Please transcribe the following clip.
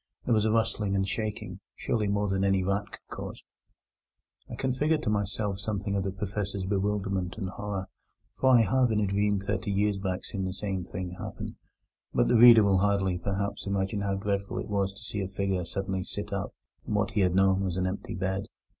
There was a rustling and shaking: surely more than any rat could cause. I can figure to myself something of the Professor's bewilderment and horror, for I have in a dream thirty years back seen the same thing happen; but the reader will hardly, perhaps, imagine how dreadful it was to him to see a figure suddenly sit up in what he had known was an empty bed.